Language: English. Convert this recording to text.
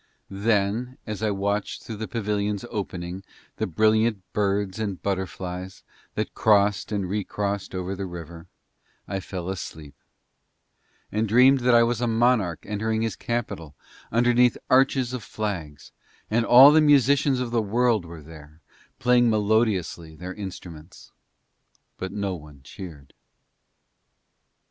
Then, as I watched through the pavilion's opening the brilliant birds and butterflies that crossed and recrossed over the river, I fell asleep, and dreamed that I was a monarch entering his capital underneath arches of flags, and all the musicians of the world were there, playing melodiously their instruments; but no one cheered.